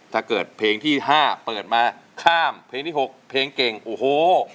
ถ้าเกิดเพลงที่๕เปิดมาข้ามเพลงที่๖เพลงเก่งโอ้โห